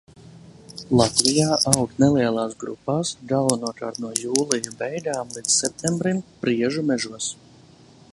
Latvijā aug nelielās grupās galvenokārt no jūlija beigām līdz septembrim priežu mežos.